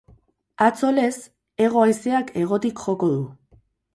Atzo lez, hego haizeak hegotik joko du.